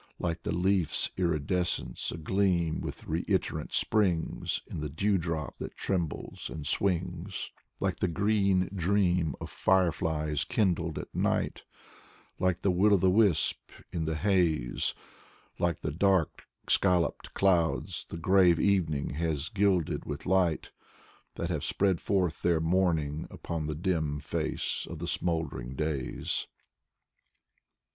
Like the leaf's iridescence agleam with reiterant Springs In the dewdrop that trembles and swings. Konstantin Balmont 79 Like the green dream of fireflies kindled at night, Like the will o* the wisp in the haze, Like the dark, scalloped clouds the grave evening has gilded with light, That have spread forth their mourning upon the dim face • of the smoldering days.